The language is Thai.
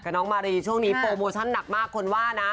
น้องมารีช่วงนี้โปรโมชั่นหนักมากคนว่านะ